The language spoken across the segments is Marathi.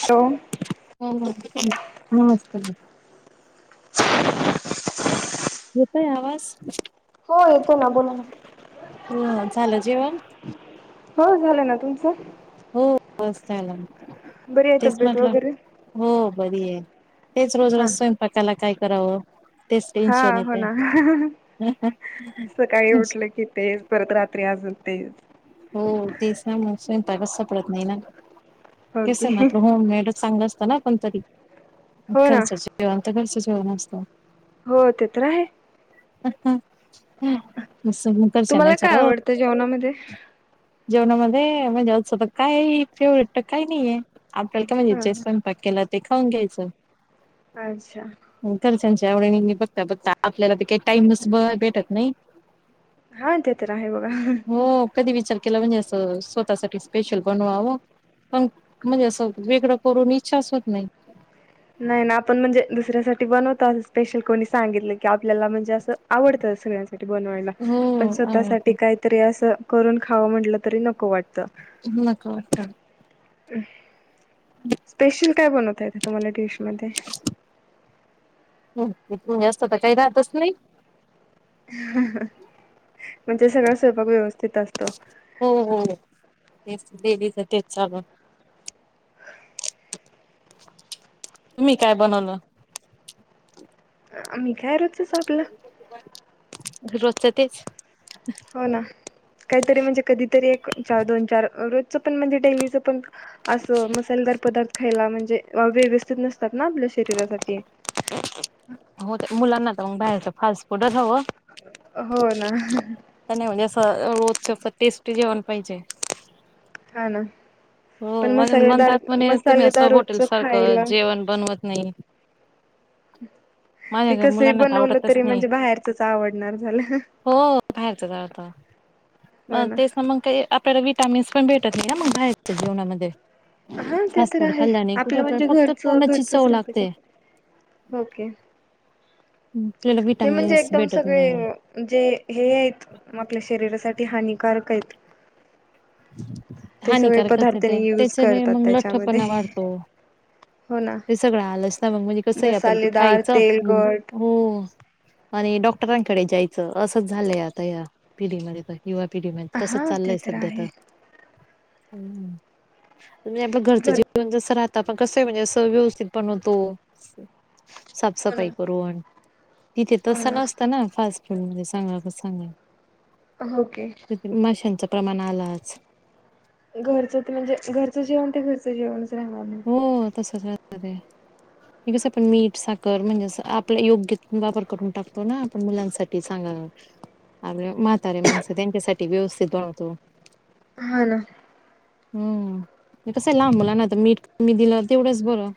हॅलो [unintelligible] नमस् [inaudible] [inaudible] येतय आवाज, हो येतो ना बोला ना. ह झालं जेवण? हो झालं ना, तुमचं? हो [unintelligible] त्याला. बरी आहेय तब्येत वगैरे? हो बरी आहे. तेच रोज हा. रोज स्वयंपाकायला काय तराव. हा हो ना, सकाळी उठलं की तेच परत रात्री अजून ते. हो तिसना [unintelligible] प्रत नई ना. कस [unintelligible] ओके मात होम मेडच चांगलं. चना पणंतरी. हो ना कनसच शिव [unintelligible] कनसच. हम्म हम्म अस. हो ते तर आहे. [inaudible] मग घरच्यांना तुम्हाला काय विचारावं आवडतं जेवणामध्ये? जेवणामध्ये म्हणजे आ तर काय फेवरेट तर काही नाहीये. [unintelligible] का हा म्हणजे [unintelligible] पकेला. ते खाऊून घ्यायचं. अच्छा. [unintelligible] बघता बघता आपल्याला ते काही टाइमस भेटत नाही. हा ते तर आहे बघा होम. कधी विचार केला म्हणजे असं स्वतःसाठी स्पेशल बनवावं, पण म्हणजे असं वेगळं करून इच्छा अस होत नाही. नाही ना आपण म्हणजे दुसऱ्यासाठी बनवत असं स्पेशल कोणी सांगितलं की. आपल्याला म्हणजे असं आवडतं सगळ्यांसाठी बनवायला हो पण स्वतःसाठी आवडतं काहीतरी असं करून खावं म्हटलं तरी नको वाटतं. हम्म नक वात. [unintelligible] स्पेशल काय बनवता येते तुम्हाला? शमध्ये इथून जास्त तर काही राहतच नाही म्हणजे सगळां स्वयंपाक व्यवस्थित असतो ते लेजच चालू तुम्ही काय बनवलं अ मी काार [inaudible] घरवस्त तेच हो ना काहीतरी म्हणजे कधीतरी एक दोन चार रोजच पण म्हणजे डेलीच पण असं मसालेदार पदार्थ खायला म्हणजे व्यवस्थित नसते हो ते मुलांना तर मग बाहेरच फास्ट फूडच हवं हो ना नाही म्हणजे रो टेस्टी जेवण पाहिजे हा ना हो पण म्ह मसालेदार म्हणतात म्हणे तुम्ही असं मसालेदार होॉटेल रोजच सारखं खायला जेवण बनवत नाही माझ्या ते घ कसही मुलांना बनवलं धावडतच तरी नाही म्हणजे बाहेरचच आवडणार झालं हो बाहेरच जाता मग तेच ना मग काही आपल्याला वि विट् पण भेटत ना म जेवणामध्ये हा ते फास्ट तर फूड आहे खाल्ल्याने कुठे आपलं म्हणजे आपल्याला फक्त घरचं तोंडाची घरचच चव राहती लागते के आपल्याला ते म्हणजे विटामिन्स एकदम भेटत नाही. सगळे जे हे आहेत आपल्या शरीरासाठी हानिकारक आहेत ते सगळे हानिकार कस पदार्थाने ते युज त्याच्याने करतात मग लठ्ठ त्याच्यामध्ये पणा वाढतो हो ना. ते सगळं आलंच ना मग म्हणजे कस आहे आपण ते मसालेदार खायचं तेलकट हो आणि डॉक् डॉक्टरांकडे जायचं असंच झालंय आता या पिढीमध्ये युवा पिढीमध्ये तसं हा ते चालय तर सध्या आ आहे हम्म म्हणजे आपलं घरच घर जीवन जसं राहात ण कसं आहे म्हणजे अस व्यवस्थित पण होतो हो ना साफसफाई करून तिथे तसं नसतं ना फास्ट फलणजे सांगा कस सांगा होके प्रमाणाला [unintelligible] घरचं चिरां ला तसचत रे कस आपण मीठ साखर म्हणजे आपला योग्य वापर करून टाकतो ना आपण मुलांसाठी सांग आपले म्हातारे माणस त्यांच्यासाठी व्यवस्थित बनवतो हा ना हम्म कसं आहे लांबला ना तर मीठ ी दिलं तेवढंच बरं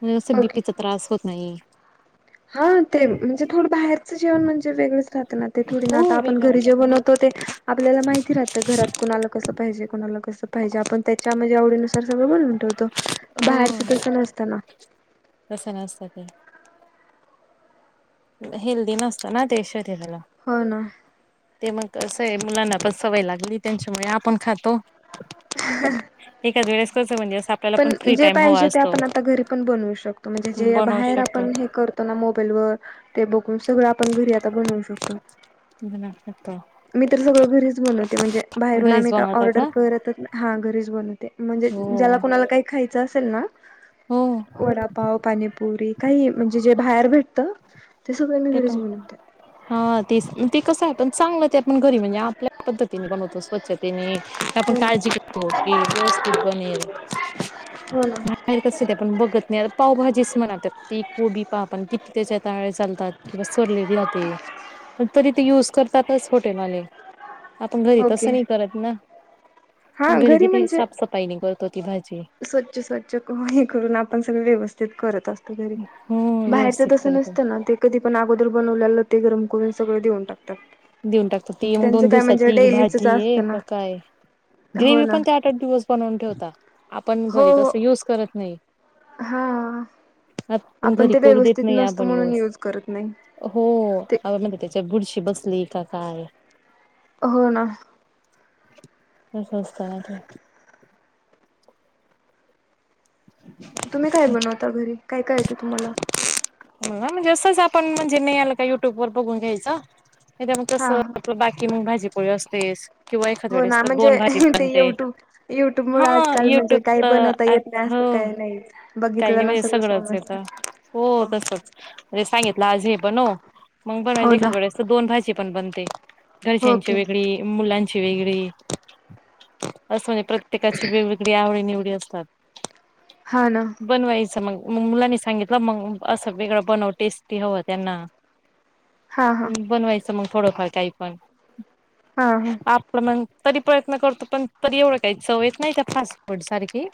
म्हणजे असं ओके. बीपीचा त्रास होत नाही हा ते म्हणजे थोडं बाहेर जेवन म्हणजेगळे ते थोडी ना हो आता आपण वेगळं घरी जे असतं ना. बनवतो ते आपल्याला माहिती राहत घरात कणाला कस पाहिजे कोणाला कस पाहिजे आपण त्याच्या आव ण ठवत हो बाहेरच तस नसताना तसं नसतं ते हेल्दी नसत ना देश हो ना ते मग असं आहे मुलांना पण सवय लागली त्यांच्यामुळे आपण खातो ठीक आहे ं म्हणजे आपल्याला पण फ्री जे टाइम हवा पाहिजे ते असतो आपण आता घरी पण बनवू शकतो म्हणजे जे बनवू बाहेर शकतो. आपण हे करतो ना मोबाईल व ते बघून सगळं आपण घरी आता बनवू शकतो इ न मी तर सगळं घरीच बनवते म्हणजे बाहेरून घरीच आम्ही का बनवता ऑर्डर करतच हा घरीच बनवते म्हणजे हो. ज्याला कोणाला काही खा असलमा हो वडापाव पाणीपुरी काही म्हणजे जे बाहेर भेट ते पण. हा तेच ते कस पण चांगलं त्या आपण घरी म्हणजे आपल्या पद्धतीने बणवतो स्वच्छतेने. आपण हम्म काळजी करतो. की व्यवस्थित बनेल. हो ना. बाहेर कस ते आपण बघत नाही. आता पावभाजीच म्हणा त ती कोबी पाव आपण किती? [inaudible] चालतात किंवा सोडलेली राहते. पण तरी ते युज करतातच हॉटेलवाले. आपण घरी ओके तसं नाही करत ना? हा आपण घरी किती म्हणजे, साफसफाईने करतो ती भाजी. स्वच्छ स्वच्छ करून हे करून आपण सगळ व्यवस्थित करत असतो. हो बाहेरच व्यवस्थित तसं करतो. नसतं ना ते कधी पण आगो बनवल्याला ते गरम करून सगळं देऊन टाक. देऊन टाकतात. ती एक, दोन दिवसाची डेलीचच भाजी ये? असतं ना का काय आहे? हो ग्रेवी ना पण त्या आठ आठ दिवस बनवून ठेवता. आपण हो घरी हो. तस युज करत नाही. हा. आपण घरी ते करू देत व्यवस्थित नाही नसतं आपण म्हणून यवस यूज करत नाही. हो ते म्हणजे त्याच्या बुरशी बस ली आता काय? हो ना. संस्काराच य. तुम्ही काय बनवता घरी? काय काय येतं तुम्हाला? नाही म्हणजे असंच आपण म्हणजे नाही आल का युट्युब वर बघून घ्यायचं. त्या मग हा तसं हा आपलं बाकी मग भाजी. प पवस तेस. किंवा एखाद्या हो वेळेस ना, तर म्हणजे दोन ते युट्यूब युट्यूब मुळ हा आजकाल म्हणजे युट्यूब काही बनवता तर येत नाही असं हो काही नाही. काही नाही, बघितलं ना म्हणजे सगळं सगळंच येत. समजत हो तसच म्हणजे सांगितलं आज हे बनव हो मग बर हो माजे ना एखादडे अस दोन भाजी पण बनते. घरच्यांच्या ओके वेगळी मुलांची ची वेगळी. असं म्हणजे प्रत्येकाची वेगवेगळी आवडी, निवडी अस तर. हा ना. मग म मुलांनी सांगितलं मग असं वेगळं बनव टेस्टी हवं त्यांना हा हा ह् बनवायच मग थोडंफार काही पण हा हा आपलं मग तरी प्रयत्न करतो पण तरी एवढं काही चवयेत नाही त्या फास्ट फूड सारखी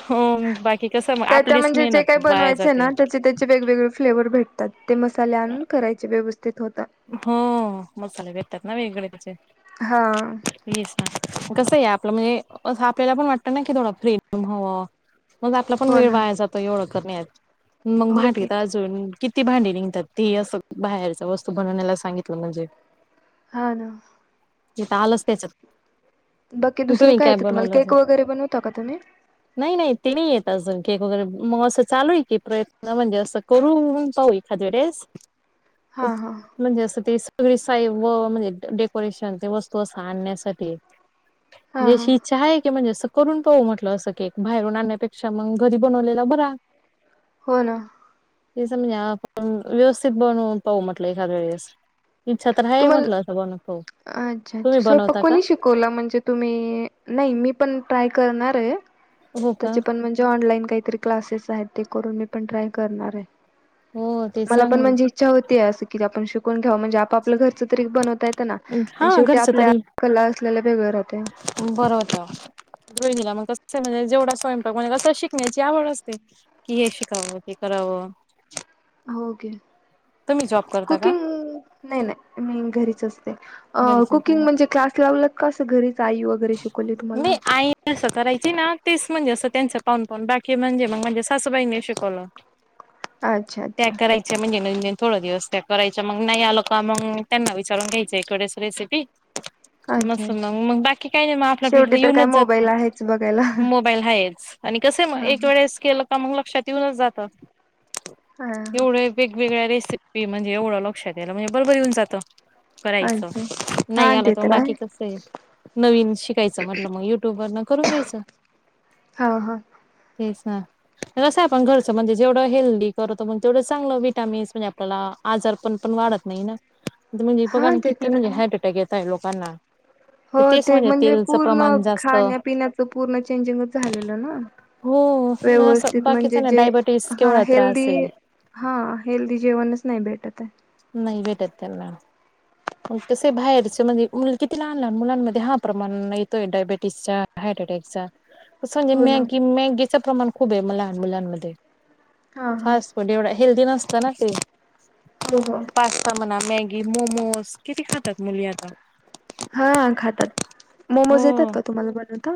हो बाकी कसं मग त्या आपलीच म्हणजे जे काय मेहनत वाया बनवायचंय जाते ना त्याचे त्याचे वेगवेगळे फ्लेवर्ह भेट ते मसाले आणून करायचे व्यवस्थ हो मजाले ब ात ना वेगळेच हा कसं आहे आपलं म्हणजे अस आपल्याला पण वाटतं ना कि थोडं फ्रीम हवं मग आपला पण हो वेळ ना वा्हाला जातो एवढं कर मग भट ओके घेेत अजून किती भांडी निघतात तेी असं बाहेरस्त त म्हणण्याला सांगितलं म्हणजे हा ना य तर आल अस तेच बाकी दुसरं काय येत तुम्हाला केक वगैरे बनवता का तुम्ही नाही नाही ते नाही येत अजून केक वगैरे मग असं चालूय की प्रयत्न म्हणजे असं करू पाहू एखाद्या वेळेस हा हा सग साई म्हणजे डेकोरेशन वस्तू अस आणण्यासाठी हा म्हणज हा अशी इच्छा आहे की म्हणजे अस करून पाहू म्हटलं असं की एक बाहेरून आणण्यापेक्षा मग घरी बनवलेला बरा हो ना ते सम व्यवसथितण पव लेखा वळीस अच्छच्छ तुम्ही बनवता का? श म्हणजे तुम् नाही मी पणाय कर ते हो का? त्याचे पण म्हणजे ऑनलाईन काहीतरी क्लासेस साहित्य करून मी पण ट्राय करणार आहे हो ते मला पण चांगलं म्हणजे इच्छा होती अस कि आपण शिकून घेऊ म्हणजे आपलं घर तरी बनवता येत ना हा शेवटी घरचं आपल्या तरी कला असलेला वेगळ राहते कस म्हणजे जेवढा स्वयंपाक म्हणजे कस शिकण्याची आवड असते कि हे शिकावं ते करावं हो तुम्ही जॉब करता का? कुकिंग नाही नाही मी घरी स कुंग म्ह क् ला कसं घरी मी आई स्वत ना तेच म्हणजे असं त्यांच पाऊन पान बाकी म्हणजे मग म्हणजे सासूबाईने शिकवलं अच्छा त्या अच्छा करायच म्हणजे थोड दिवस त्या करायच्या मग नाही आलं का मग त्यांना विचारून घ्यायच एककडेच रेसिपी अच्छा मस मग अच्छा मग बाकी आप फड शेवटी तर येन काय जात मोबाईल आहेच बघायला. मोबाईल हा कस हा हा वेळे के ता मग लक्षात येऊनच जातं हा हा एवढ्या वेगवेगळ्या रे म्हणजे एवढं लक्षात यायला म्हणजे बर बररी होऊन जातं करायचं अच्छा हा नाही आलं ते तर मग आहे बाकी कस येईल नवीन शिकायचं म्हटलं मग युट्यूब वर न करून घ्यायचं हा हा ते कसं आपण घरचं म्हणजे जेवढं हेल्दी करु तर मग तेवढं चांगलं विटामिन्स म्हणजे आपल्याला आजार पण पण वाढत नाही ना म्हणजे हा बघा ते किती तर म्हणजे आहे हार्ट अटॅक येताय लोकांना [unintelligible] हो तेच ते म्हणजे तेलचं पूर्ण प्रमाण जास्त खाण्यापिण्याचं पूर्ण चेंजिंगच झालेलं ना हो मग असं व्यवस्थित बाकीचा म्हणजे ना जे डायबिटीस हा केवढा त्रास हेल्दी आहे हा हेल्दी जेवणच नाही भेटत आहे नाही भेटत त्यांना मग तस बाहेरच म्हणजे किती लहान लहान मुलांमध्ये हा प्रमाण येतोय डायबेटीसचा हार्ट अटॅकचा संगे हो ना मॅगी, मॅगी च प्रमाण खूप आहे म लहान मुलांमध्ये हा हा फास्ट फूड एवढा हेल्दी नस [unintelligible] हो हो पास्ता म्हणा मॅगी ते मोमोज ते किती खातात मुली आता हा खातात मोमोज हो येतात का तुम्हाला बनवता?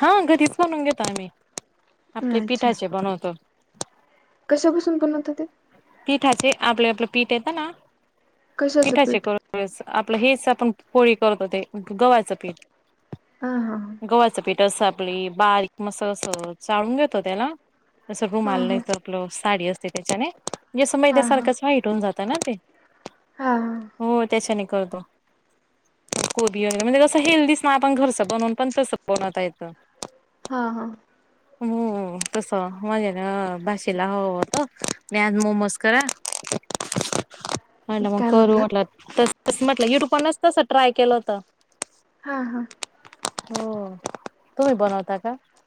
हा घरीच बनवून घेतात [unintelligible] आपले अच्छा पिठाचे बनवतो कशापासून बनवता ते पीठाचे आपले आपलं पीठ येतं ना कशाचं पिठाचे पीठ करतो असं आपलं हेच आपण पोळी करतो ते गव्हा्चं पीठ हा हा हा स आपली बारीक मस्त अस चाळून घेतो त्याला असं हा रुमाल हा नाही आपलं साडी अस [unintelligible] जस हा मैद्यसारख हा हाईट होऊन जातं [unintelligible] हा कर, कोबी वगरे म्हणजे कस हेल्दीच ना आपण घरच बनून पण तस बनवता येतं हा हा हो तस माझ्या भाशी ला हवं होत की आज मोमोज करा म्हटलं मग काय करू म्हटलं म्हणलात तस तसं म्हटलं युट्यूब पाहूनच तस ट्राय केलं होत हा हा. हो तुम्ही बनवत.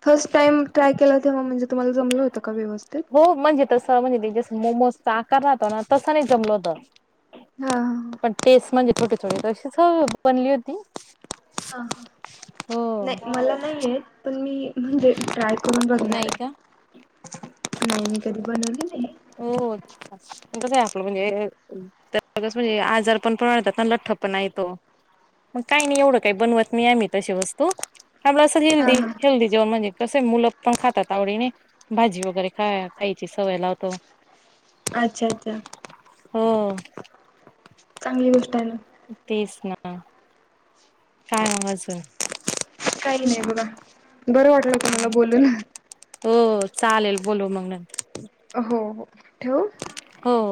फर्स्ट टाइम ट्राय केल. तेव म्हणजेु् तुम्हाला जमलं होत. का व्यवस्थित. हो म्हणजे तसं म्हणजे ते जसं मोमोजचा आकार राहतो ना तसं नाही जमल होत. हा हा. पण तेच म्हणजे. छोटी छोटी तशीच बनली होती. [unintelligible] ह ह हो. नाही मला नाहीयेत पण मी म्हणजे ट्राय करून बघणार नाही का? आहे नाही मी कधी बनवली नाही. कस हे आपलं म्हणजेस [unintelligible] म्हणजे आजार पण प्रमाणेतात लठ्ठ पण य तो पण काही नाही एवढं काही बनवत नाही आम्ही तशी वस्तू आम्हाला [unintelligible] असं हा हिंदीच हा. हेल्दी हेल्दी म्हणजे कसे मुल पण खातात आवडीने भाजी वगैरे खा खायची सवय लावतो. अच्छा अच्छा. हो. चांगली गोष्ट आहे ना, हम्म. काय म अजून काही नाही बघा बरं वाटलं तुम्हाला बोलून? हो चालेल बोलू मंग नंतर हो हो. ठेवू? हो.